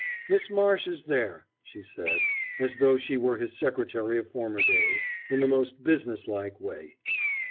"Miss Marsh is there," she said, as though she were his secretary of former days, in the most business like way.